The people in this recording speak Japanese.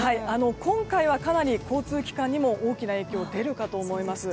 今回はかなり交通機関にも大きな影響が出るかと思います。